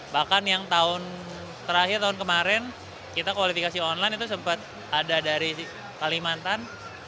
bahkan yang tahun terakhir tahun kemarin kita kualifikasi online itu sempat ada dari kalimantan